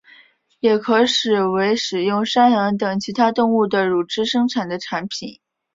也可指为使用山羊等其他动物的乳汁生产的产品。